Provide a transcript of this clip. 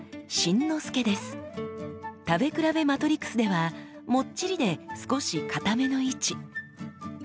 「食べ比べマトリクス」ではもっちりで少しかための位置。